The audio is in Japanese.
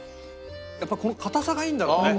やっぱりこの硬さがいいんだろうね。